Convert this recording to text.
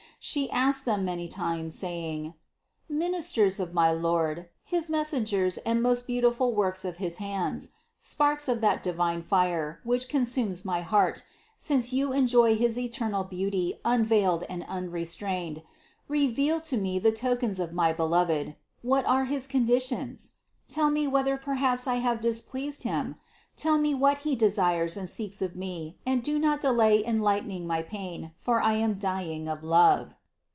She asked them many times, saying: "Ministers of my Lord, his messengers and most beautiful works of his hands, sparks of that divine fire, which consumes my heart, since you enjoy his eternal beauty unveiled and unrestrained, reveal to me the tokens of my Beloved; what are his conditions? Tell me whether perhaps I have displeased Him ; tell me what He desires and seeks of me, and do not delay in lightening my pain, for I am dying of love."